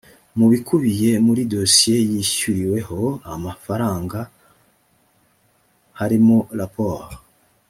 mu bikubiye muri dosiye yishyuriweho amafaranga frw harimo raporo